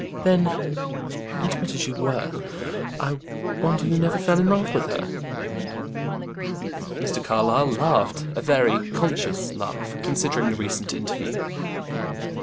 "Then intimate as you were I wonder you never fell in love with her." Mr. Carlyle laughed; a very conscious laugh, considering the recent interview.